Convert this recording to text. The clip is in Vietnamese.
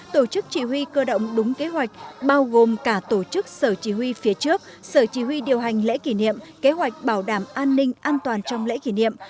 tổ chức chỉ huy cơ động đúng kế hoạch bao gồm cả tổ chức sở chỉ huy phía trước sở chỉ huy điều hành lễ kỷ niệm kế hoạch bảo đảm an ninh an toàn trong lễ kỷ niệm